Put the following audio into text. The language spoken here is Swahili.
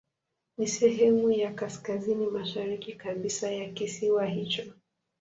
Ni sehemu ya kaskazini mashariki kabisa ya kisiwa hicho.